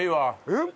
えっ？